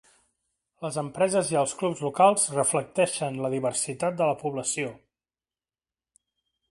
Les empreses i els clubs locals reflecteixen la diversitat de la població.